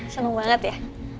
seneng banget ya